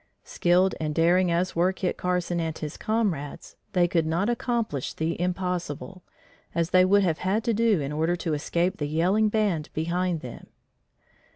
Skilled and daring as were Carson and his comrades, they could not accomplish the impossible, as they would have had to do in order to escape the yelling band behind them.